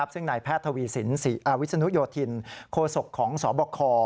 ซึ่งนายแพทย์ทวีสินวิศนุโยธินโคศกของสบค